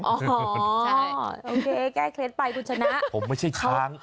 โอเคแก้เคล็ดไปคุณชนะผมไม่ใช่ช้าง